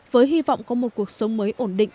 với hy vọng có một cuộc sống mới ổn định